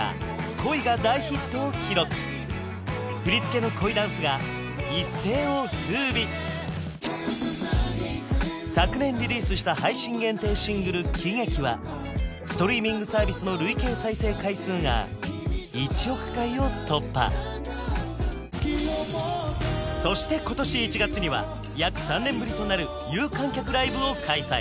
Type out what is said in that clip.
「恋」が大ヒットを記録振り付けの恋ダンスが一世を風靡昨年リリースした配信限定シングル「喜劇」はストリーミングサービスの累計再生回数が１億回を突破そして今年１月には約３年ぶりとなる有観客ライブを開催